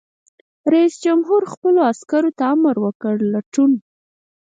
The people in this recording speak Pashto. رئیس جمهور خپلو عسکرو ته امر وکړ؛ لټون!